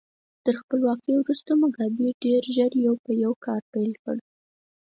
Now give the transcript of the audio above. تر خپلواکۍ وروسته موګابي ډېر ژر یو په یو کار پیل کړ.